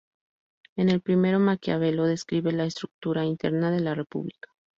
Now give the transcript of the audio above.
En el primero, Maquiavelo describe la estructura interna de la república.